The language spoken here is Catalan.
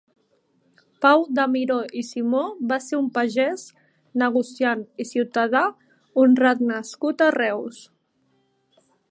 Pau de Miró i Simó va ser un pagès, negociant i ciutadà honrat nascut a Reus.